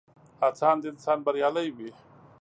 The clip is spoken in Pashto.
هڅاند انسان بريالی وي.